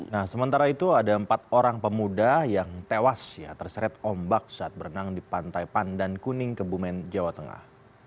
nah sementara itu ada empat orang pemuda yang tewas ya terseret ombak saat berenang di pantai pandan kuning kebumen jawa tengah